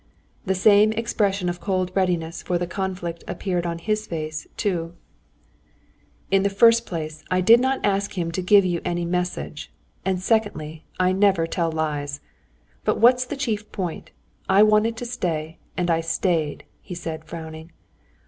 The same expression of cold readiness for the conflict appeared on his face too. "In the first place, I did not ask him to give you any message; and secondly, I never tell lies. But what's the chief point, I wanted to stay, and I stayed," he said, frowning.